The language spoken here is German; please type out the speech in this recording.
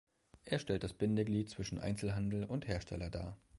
Er stellt das Bindeglied zwischen Einzelhandel und Hersteller dar.